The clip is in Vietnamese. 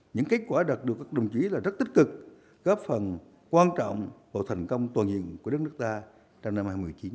những kết quả đạt được các đồng chí là rất tích cực góp phần quan trọng vào thành công toàn diện của đất nước ta trong năm hai nghìn một mươi chín